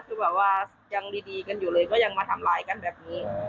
คือแบบว่ายังดีกันอยู่เลยก็ยังมาทำร้ายกันแบบนี้